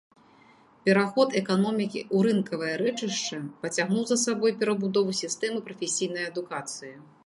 Пераход эканомікі ў рынкавае рэчышча пацягнуў за сабой перабудову сістэмы прафесійнай адукацыі.